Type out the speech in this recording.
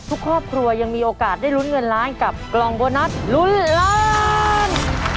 ทุกครอบครัวยังมีโอกาสได้ลุ้นเงินล้านกับกล่องโบนัสลุ้นล้าน